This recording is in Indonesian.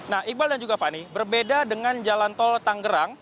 nah iqbal dan juga fani berbeda dengan jalan tol tanggerang